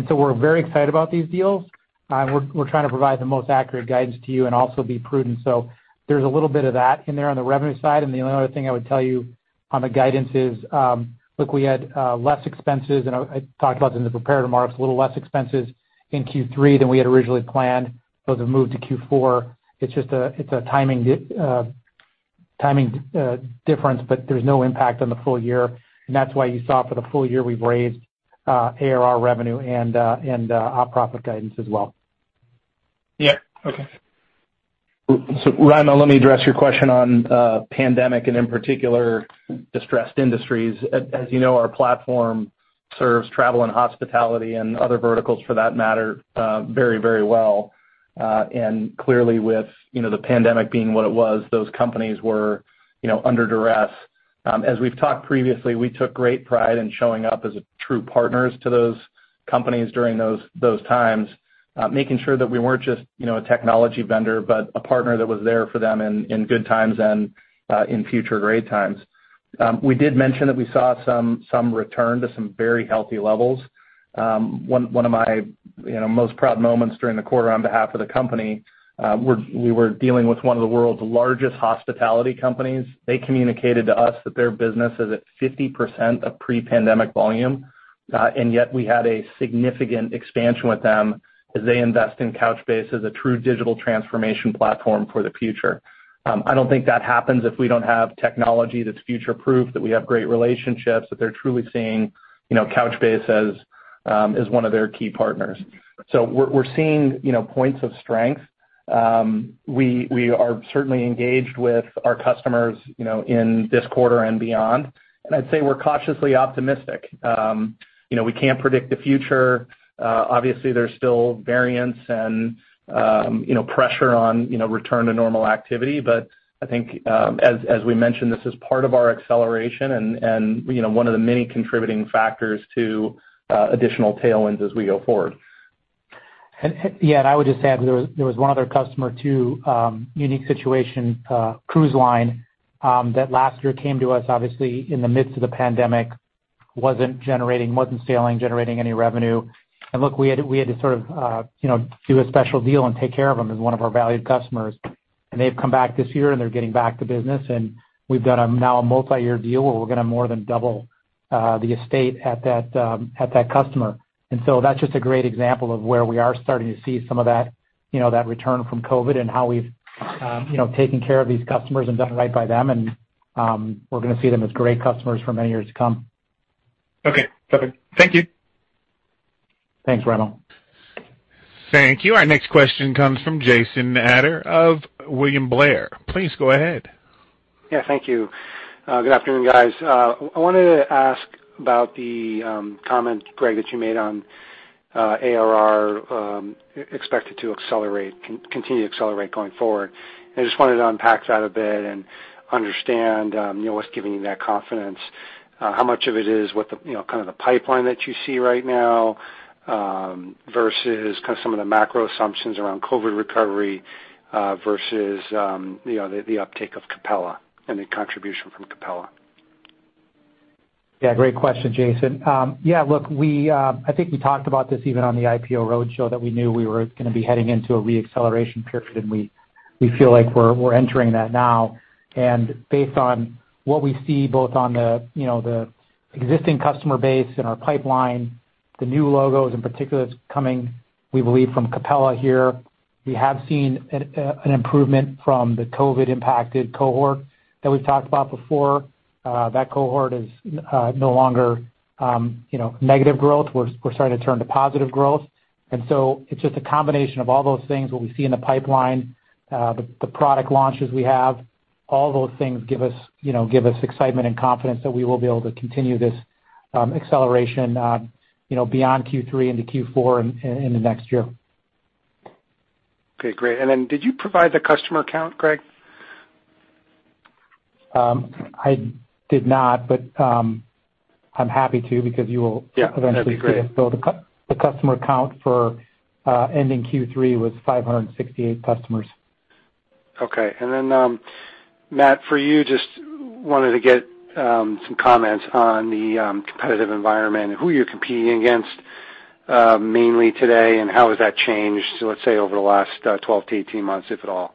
We're very excited about these deals. We're trying to provide the most accurate guidance to you and also be prudent. There's a little bit of that in there on the revenue side. The only other thing I would tell you on the guidance is, look, we had less expenses, and I talked about this in the prepared remarks, a little less expenses in Q3 than we had originally planned. Those have moved to Q4. It's just a timing difference, but there's no impact on the full year. That's why you saw for the full year, we've raised ARR revenue and op profit guidance as well. Yeah. Okay. Raimo, let me address your question on pandemic and in particular distressed industries. As you know, our platform serves travel and hospitality and other verticals for that matter, very, very well. Clearly with, you know, the pandemic being what it was, those companies were, you know, under duress. As we've talked previously, we took great pride in showing up as a true partner to those companies during those times, making sure that we weren't just, you know, a technology vendor, but a partner that was there for them in good times and in future great times. We did mention that we saw some return to some very healthy levels. One of my, you know, most proud moments during the quarter on behalf of the company, we were dealing with one of the world's largest hospitality companies. They communicated to us that their business is at 50% of pre-pandemic volume, and yet we had a significant expansion with them as they invest in Couchbase as a true digital transformation platform for the future. I don't think that happens if we don't have technology that's future-proof, that we have great relationships, that they're truly seeing, you know, Couchbase as one of their key partners. We're seeing, you know, points of strength. We are certainly engaged with our customers, you know, in this quarter and beyond. I'd say we're cautiously optimistic. You know, we can't predict the future. Obviously, there's still variance and, you know, pressure on, you know, return to normal activity. I think, as we mentioned, this is part of our acceleration and, you know, one of the many contributing factors to additional tailwinds as we go forward. I would just add, there was one other customer too, unique situation, cruise line, that last year came to us, obviously, in the midst of the pandemic, wasn't sailing, generating any revenue. Look, we had to sort of, you know, do a special deal and take care of them as one of our valued customers. They've come back this year, and they're getting back to business. We've done now a multi-year deal where we're gonna more than double the estate at that customer. That's just a great example of where we are starting to see some of that, you know, that return from COVID and how we've, you know, taken care of these customers and done right by them. We're gonna see them as great customers for many years to come. Okay. Perfect. Thank you. Thanks, Raimo Lenschow. Thank you. Our next question comes from Jason Ader of William Blair. Please go ahead. Yeah, thank you. Good afternoon, guys. I wanted to ask about the comment, Greg, that you made on ARR expected to accelerate, continue to accelerate going forward. I just wanted to unpack that a bit and understand you know, what's giving you that confidence, how much of it is what the you know kind of the pipeline that you see right now, versus kind of some of the macro assumptions around COVID recovery, versus you know, the uptake of Capella and the contribution from Capella. Yeah, great question, Jason. Yeah, look, I think we talked about this even on the IPO roadshow, that we knew we were gonna be heading into a re-acceleration period, and we feel like we're entering that now. Based on what we see both in the, you know, the existing customer base and our pipeline, the new logos in particular that's coming, we believe from Capella here, we have seen an improvement from the COVID-impacted cohort that we've talked about before. That cohort is no longer, you know, negative growth. We're starting to turn to positive growth. It's just a combination of all those things, what we see in the pipeline, the product launches we have. All those things give us, you know, excitement and confidence that we will be able to continue this acceleration, you know, beyond Q3 into Q4 and in the next year. Okay, great. Did you provide the customer count, Greg? I did not, but I'm happy to because you will- Yeah, that'd be great.... eventually see it. The customer count for ending Q3 was 568 customers. Okay. Matt, for you, just wanted to get some comments on the competitive environment and who you're competing against, mainly today, and how has that changed, let's say, over the last 12-18 months, if at all?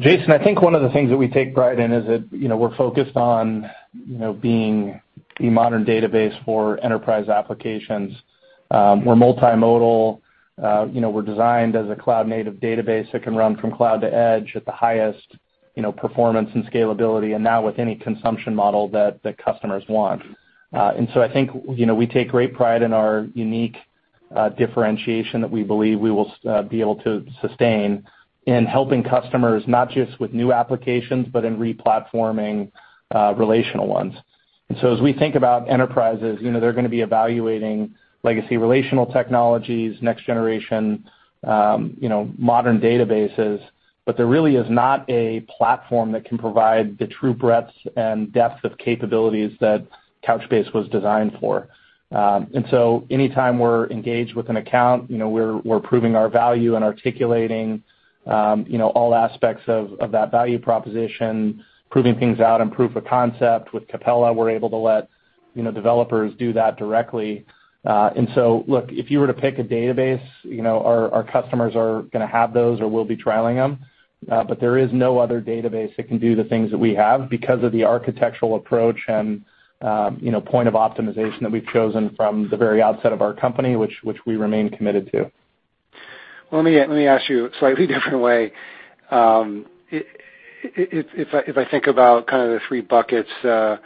Jason, I think one of the things that we take pride in is that, you know, we're focused on, you know, being the modern database for enterprise applications. We're multimodal. You know, we're designed as a cloud-native database that can run from cloud to edge at the highest performance and scalability and now with any consumption model that the customers want. I think, you know, we take great pride in our unique differentiation that we believe we will be able to sustain in helping customers not just with new applications but in replatforming relational ones. As we think about enterprises, you know, they're gonna be evaluating legacy relational technologies, next generation, you know, modern databases, but there really is not a platform that can provide the true breadth and depth of capabilities that Couchbase was designed for. Anytime we're engaged with an account, you know, we're proving our value and articulating, you know, all aspects of that value proposition, proving things out and proof of concept. With Capella, we're able to let, you know, developers do that directly. Look, if you were to pick a database, you know, our customers are gonna have those or will be trialing them, but there is no other database that can do the things that we have because of the architectural approach and, you know, point of optimization that we've chosen from the very outset of our company, which we remain committed to. Let me ask you a slightly different way. If I think about kind of the three buckets, you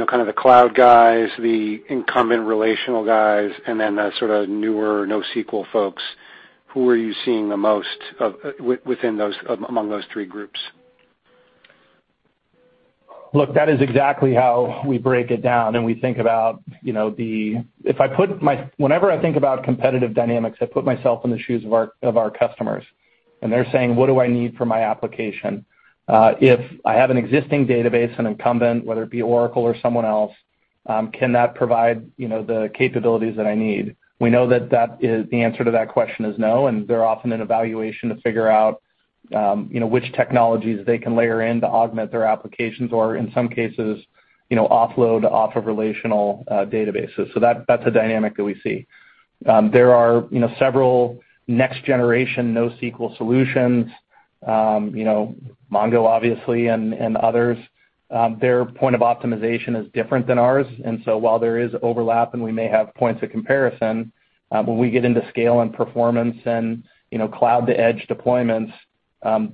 know, kind of the cloud guys, the incumbent relational guys, and then the sort of newer NoSQL folks, who are you seeing the most of among those three groups? Look, that is exactly how we break it down, and we think about, you know. Whenever I think about competitive dynamics, I put myself in the shoes of our customers. They're saying, "What do I need for my application? If I have an existing database, an incumbent, whether it be Oracle or someone else, can that provide, you know, the capabilities that I need?" We know that the answer to that question is no, and they're often in evaluation to figure out, you know, which technologies they can layer in to augment their applications or in some cases, you know, offload off of relational databases. That's a dynamic that we see. There are, you know, several next generation NoSQL solutions, you know, MongoDB obviously and others. Their point of optimization is different than ours. While there is overlap, and we may have points of comparison, when we get into scale and performance and, you know, cloud-to-edge deployments,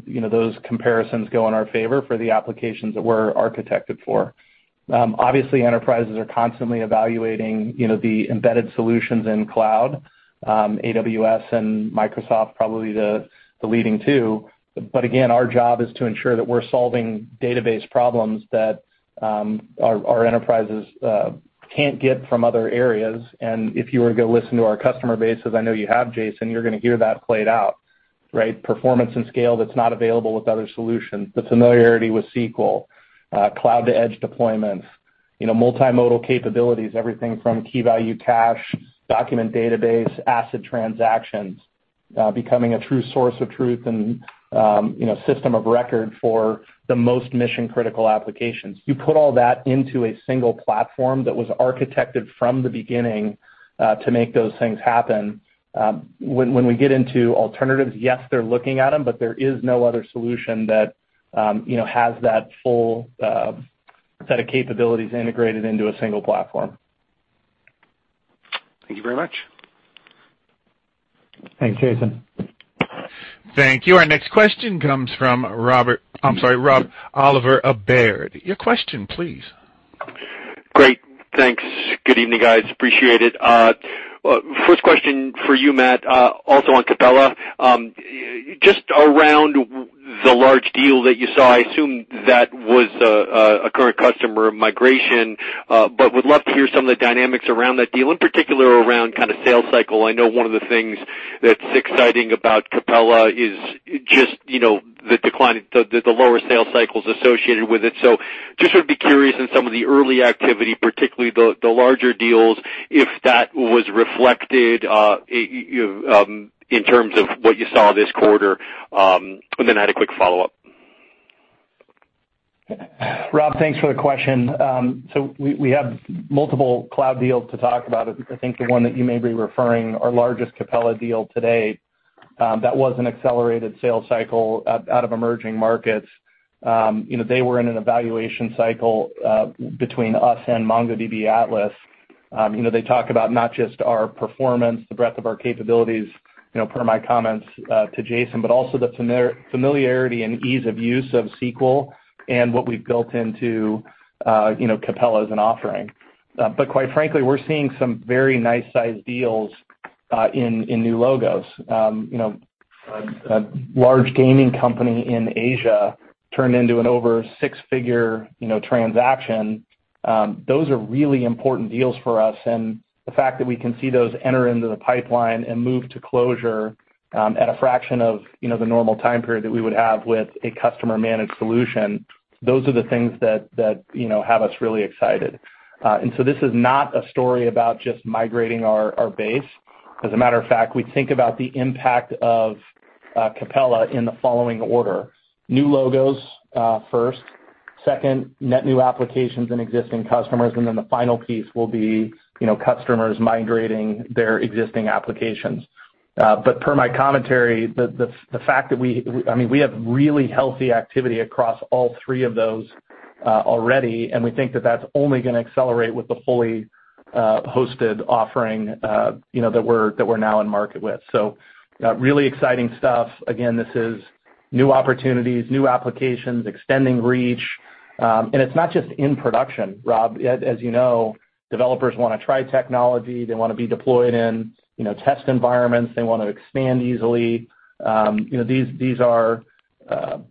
you know, those comparisons go in our favor for the applications that we're architected for. Obviously, enterprises are constantly evaluating, you know, the embedded solutions in cloud, AWS and Microsoft, probably the leading two. Again, our job is to ensure that we're solving database problems that our enterprises can't get from other areas. If you were to go listen to our customer base, as I know you have, Jason, you're gonna hear that played out, right? Performance and scale that's not available with other solutions, the familiarity with SQL, cloud-to-edge deployments, you know, multimodal capabilities, everything from key value cache, document database, ACID transactions, becoming a true source of truth and, you know, system of record for the most mission-critical applications. You put all that into a single platform that was architected from the beginning to make those things happen. When we get into alternatives, yes, they're looking at them, but there is no other solution that, you know, has that full set of capabilities integrated into a single platform. Thank you very much. Thanks, Jason. Thank you. Our next question comes from Rob Oliver of Baird. Your question, please. Great. Thanks. Good evening, guys. Appreciate it. First question for you, Matt, also on Capella. Just around the large deal that you saw, I assume that was a current customer migration, but would love to hear some of the dynamics around that deal, in particular around kind of sales cycle. I know one of the things that's exciting about Capella is just the lower sales cycles associated with it. Just would be curious in some of the early activity, particularly the larger deals, if that was reflected in terms of what you saw this quarter. I had a quick follow-up. Rob, thanks for the question. We have multiple cloud deals to talk about. I think the one that you may be referring, our largest Capella deal to date, that was an accelerated sales cycle out of emerging markets. You know, they were in an evaluation cycle between us and MongoDB Atlas. You know, they talk about not just our performance, the breadth of our capabilities, you know, per my comments to Jason, but also the familiarity and ease of use of SQL and what we've built into you know, Capella as an offering. Quite frankly, we're seeing some very nice sized deals in new logos. You know, a large gaming company in Asia turned into an over six-figure you know, transaction. Those are really important deals for us. The fact that we can see those enter into the pipeline and move to closure at a fraction of, you know, the normal time period that we would have with a customer managed solution, those are the things that, you know, have us really excited. This is not a story about just migrating our base. As a matter of fact, we think about the impact of Capella in the following order, new logos first, second, net new applications and existing customers, and then the final piece will be, you know, customers migrating their existing applications. Per my commentary, the fact that I mean, we have really healthy activity across all three of those already, and we think that that's only gonna accelerate with the fully hosted offering, you know, that we're now in market with. Really exciting stuff. Again, this is new opportunities, new applications, extending reach. It's not just in production, Rob. As you know, developers wanna try technology, they wanna be deployed in, you know, test environments, they wanna expand easily. You know, these are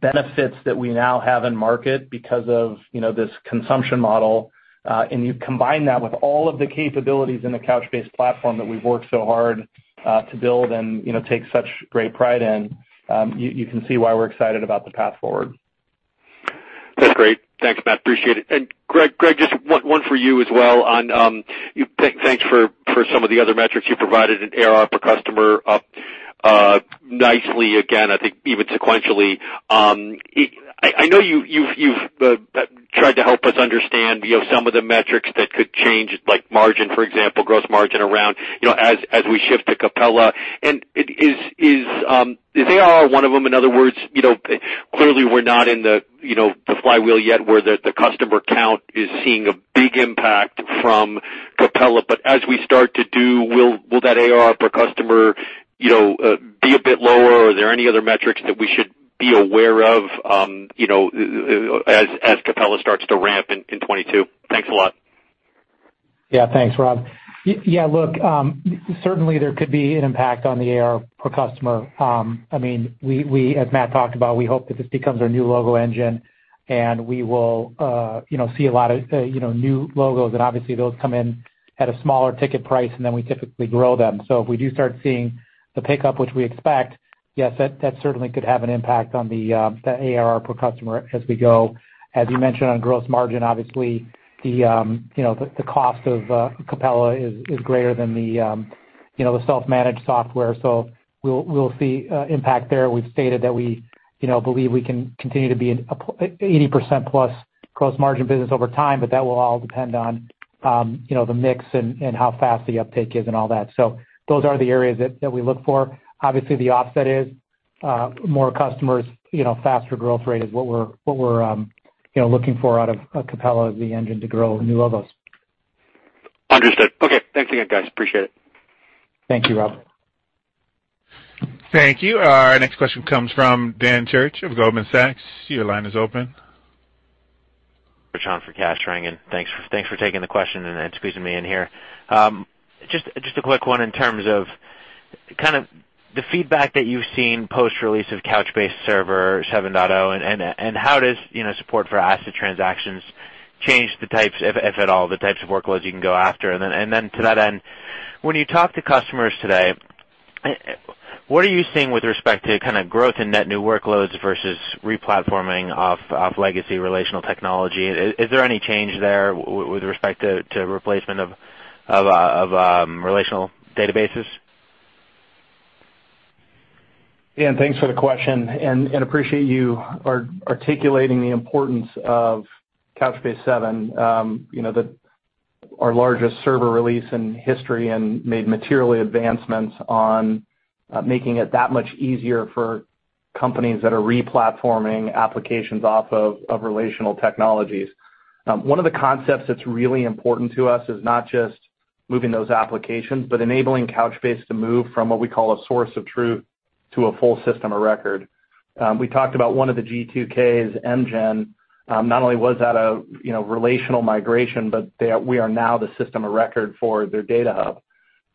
benefits that we now have in market because of, you know, this consumption model. You combine that with all of the capabilities in the Couchbase platform that we've worked so hard to build and, you know, take such great pride in, you can see why we're excited about the path forward. That's great. Thanks, Matt. Appreciate it. Greg, just one for you as well on, thanks for some of the other metrics you provided in ARR per customer up nicely again, I think even sequentially. I know you've tried to help us understand, you know, some of the metrics that could change, like margin, for example, gross margin around, you know, as we shift to Capella. Is ARR one of them? In other words, you know, clearly we're not in the, you know, the flywheel yet where the customer count is seeing a big impact from Capella. As we start to do, will that ARR per customer, you know, be a bit lower? Are there any other metrics that we should be aware of, you know, as Capella starts to ramp in 2022? Thanks a lot. Yeah. Thanks, Rob. Yeah, look, certainly there could be an impact on the ARR per customer. I mean, as Matt talked about, we hope that this becomes our new logo engine, and we will, you know, see a lot of new logos. Obviously those come in at a smaller ticket price than we typically grow them. If we do start seeing the pickup which we expect, yes, that certainly could have an impact on the ARR per customer as we go. As you mentioned on gross margin, obviously, the cost of Capella is greater than the self-managed software. We'll see impact there. We've stated that we, you know, believe we can continue to be an 80% plus gross margin business over time, but that will all depend on, you know, the mix and how fast the uptake is and all that. Those are the areas that we look for. Obviously, the offset is, more customers, you know, faster growth rate is what we're, you know, looking for out of, Capella as the engine to grow new logos. Understood. Okay. Thanks again, guys. Appreciate it. Thank you, Rob. Thank you. Our next question comes from Kash Rangan of Goldman Sachs. Your line is open. This is John, for Kash Rangan, and thanks for taking the question and squeezing me in here. Just a quick one in terms of kind of the feedback that you've seen post-release of Couchbase Server 7.0, and how does, you know, support for ACID transactions change the types, if at all, the types of workloads you can go after? Then to that end, when you talk to customers today, what are you seeing with respect to kind of growth in net new workloads versus replatforming off legacy relational technology? Is there any change there with respect to replacement of relational databases? Dan, thanks for the question, appreciate you articulating the importance of Couchbase Server 7, you know, our largest server release in history and made materially advancements on making it that much easier for companies that are replatforming applications off of relational technologies. One of the concepts that's really important to us is not just moving those applications, but enabling Couchbase to move from what we call a source of truth to a full system of record. We talked about one of the G2Ks, MGEN, not only was that a relational migration, but we are now the system of record for their data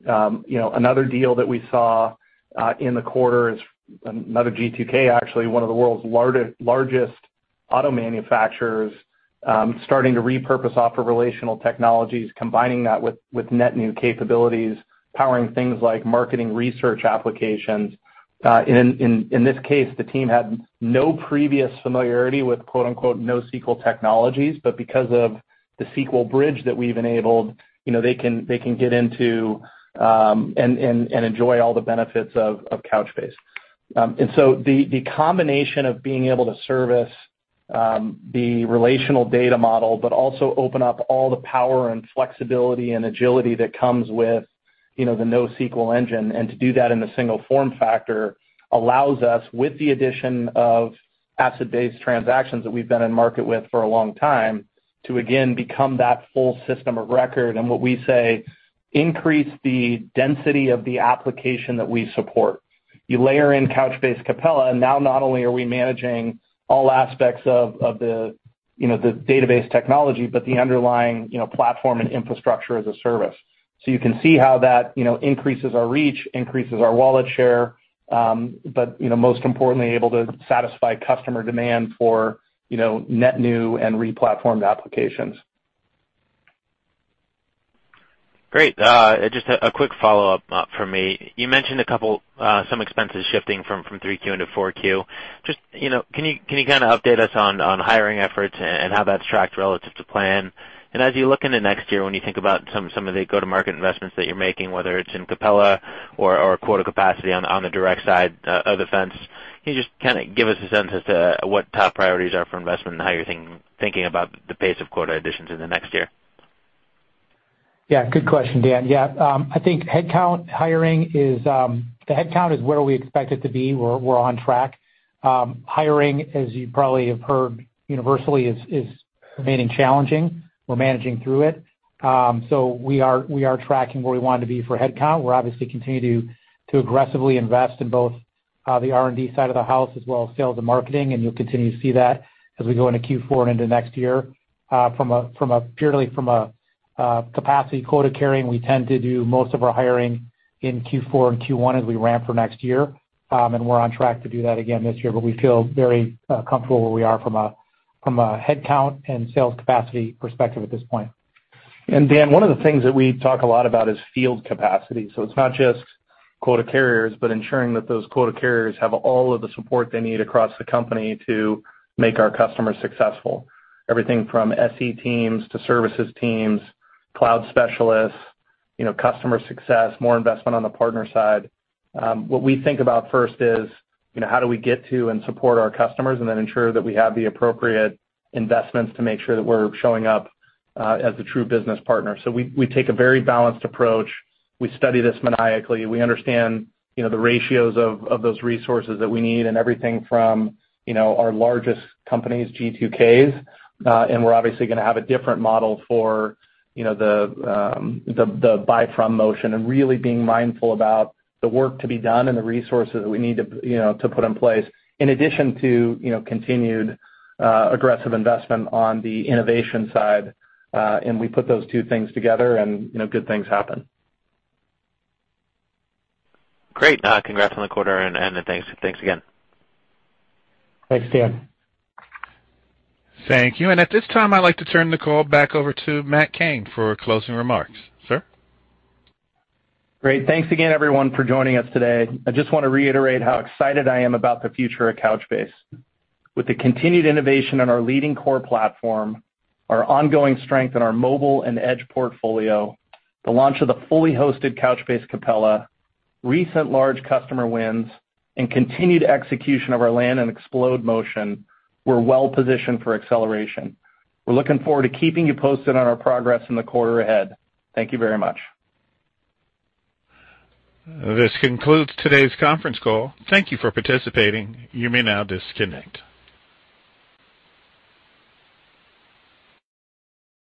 hub. You know, another deal that we saw in the quarter is another G2K, actually one of the world's largest auto manufacturers starting to repurpose off of relational technologies, combining that with net new capabilities, powering things like marketing research applications. In this case, the team had no previous familiarity with quote-unquote "NoSQL technologies," but because of the SQL bridge that we've enabled, you know, they can get into and enjoy all the benefits of Couchbase. The combination of being able to service the relational data model, but also open up all the power and flexibility and agility that comes with, you know, the NoSQL engine, and to do that in a single form factor allows us with the addition of ACID-based transactions that we've been in market with for a long time to again become that full system of record, and what we say increase the density of the application that we support. You layer in Couchbase Capella, and now not only are we managing all aspects of the, you know, the database technology, but the underlying, you know, platform and infrastructure as a service. You can see how that, you know, increases our reach, increases our wallet share, but, you know, most importantly, able to satisfy customer demand for, you know, net new and replatformed applications. Great. Just a quick follow-up from me. You mentioned a couple some expenses shifting from Q3 into Q4. Just, you know, can you kind of update us on hiring efforts and how that's tracked relative to plan? And as you look into next year, when you think about some of the go-to-market investments that you're making, whether it's in Capella or quota capacity on the direct side of the offense, can you just kinda give us a sense as to what top priorities are for investment and how you're thinking about the pace of quota additions in the next year? Yeah, good question, Dan. I think the headcount is where we expect it to be. We're on track. Hiring, as you probably have heard universally, is remaining challenging. We're managing through it. We are tracking where we want to be for headcount. We're obviously continuing to aggressively invest in both the R&D side of the house as well as sales and marketing, and you'll continue to see that as we go into Q4 and into next year. Purely from a capacity quota-carrying, we tend to do most of our hiring in Q4 and Q1 as we ramp for next year. We're on track to do that again this year. We feel very comfortable where we are from a headcount and sales capacity perspective at this point. Dan, one of the things that we talk a lot about is field capacity. It's not just quota carriers, but ensuring that those quota carriers have all of the support they need across the company to make our customers successful, everything from SE teams to services teams, cloud specialists, you know, customer success, more investment on the partner side. What we think about first is, you know, how do we get to and support our customers and then ensure that we have the appropriate investments to make sure that we're showing up as a true business partner. We take a very balanced approach. We study this maniacally. We understand, you know, the ratios of those resources that we need and everything from, you know, our largest companies, G2Ks, and we're obviously gonna have a different model for, you know, the buy from motion and really being mindful about the work to be done and the resources that we need to, you know, to put in place, in addition to, you know, continued aggressive investment on the innovation side. We put those two things together and, you know, good things happen. Great. Congrats on the quarter and thanks again. Thanks, Dan. Thank you. At this time, I'd like to turn the call back over to Matt Cain for closing remarks. Sir? Great. Thanks again everyone for joining us today. I just want to reiterate how excited I am about the future at Couchbase. With the continued innovation on our leading core platform, our ongoing strength in our mobile and edge portfolio, the launch of the fully hosted Couchbase Capella, recent large customer wins, and continued execution of our land and expand motion, we're well positioned for acceleration. We're looking forward to keeping you posted on our progress in the quarter ahead. Thank you very much. This concludes today's conference call. Thank you for participating. You may now disconnect.